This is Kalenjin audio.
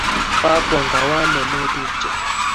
Kakwong Kawoo ano notupche?